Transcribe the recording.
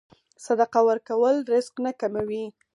صدقه ورکول رزق نه کموي.